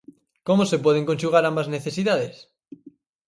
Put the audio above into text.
Como se poden conxugar ambas necesidades?